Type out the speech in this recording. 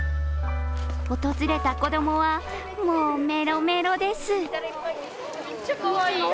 訪れた子供は、もうメロメロです。